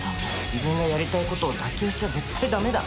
自分のやりたいことを妥協しちゃ絶対だめだ。